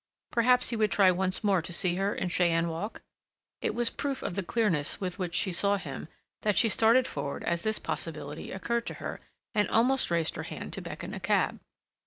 Perhaps he would try once more to see her in Cheyne Walk? It was proof of the clearness with which she saw him, that she started forward as this possibility occurred to her, and almost raised her hand to beckon to a cab.